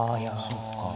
そっか。